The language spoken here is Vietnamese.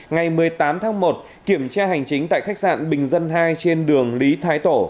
ngày một mươi tám tháng một kiểm tra hành chính tại khách sạn bình dân hai trên đường lý thái tổ